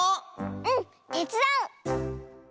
うんてつだう！